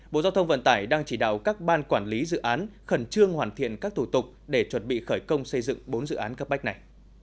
bộ giao thông vận tải đang chỉ đạo các ban quản lý dự án khẩn trương hoàn thiện các thủ tục để chuẩn bị khởi công xây dựng bốn dự án cấp bách này